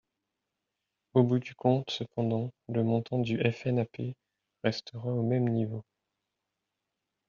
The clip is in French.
Au bout du compte, cependant, le montant du FNAP restera au même niveau.